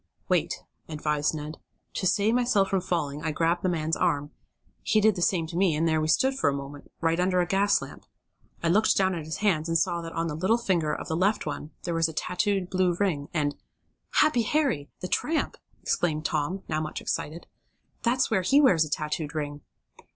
"Wait," advised Ned. "To save myself from falling I grabbed the man's arm. He did the same to me, and there we stood, for a moment, right under a gas lamp. I looked down at his hands, and I saw that on the little finger of the left one there was tattooed a blue ring, and " "Happy Harry the tramp!" exclaimed Tom, now much excited. "That's where he wears a tattooed ring!"